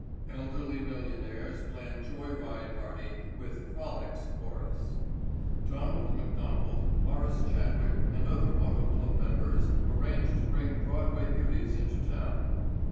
ELDERLY MILLIONAIRES PLAN JOY RIDE PARTY, WITH "FROLICS" CHORUS –––– Donald McDonald, Horace Chadwick and Other Auto Club Members Arrange to Bring Broadway Beauties Into Town.